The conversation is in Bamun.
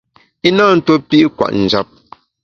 I na ntuo pi’ kwet njap.